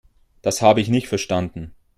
Das habe ich nicht verstanden.